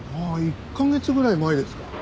１カ月ぐらい前ですか。